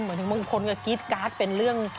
ถึงบางคนก็กรี๊ดการ์ดเป็นเรื่อง